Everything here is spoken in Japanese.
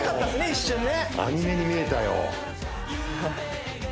一瞬ねアニメに見えたよ